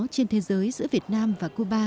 trên thế giới giữa việt nam và cuba